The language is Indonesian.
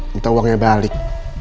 minta uangnya balik